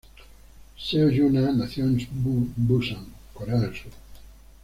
Seo Yu-na nació en Busan, Corea del Sur.